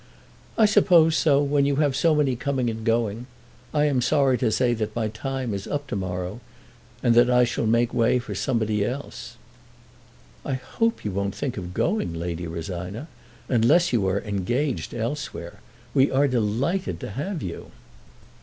"I suppose so, when you have so many coming and going. I am sorry to say that my time is up to morrow, so that I shall make way for somebody else." "I hope you won't think of going, Lady Rosina, unless you are engaged elsewhere. We are delighted to have you."